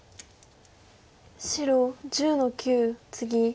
白１０の九ツギ。